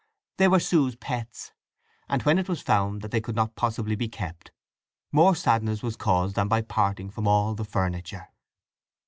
They were Sue's pets, and when it was found that they could not possibly be kept, more sadness was caused than by parting from all the furniture.